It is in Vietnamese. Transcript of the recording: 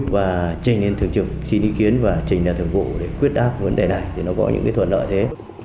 và trình lên thường trực trình ý kiến và trình ra thường vụ để quyết đáp vấn đề này để nó gọi những cái thuận lợi thế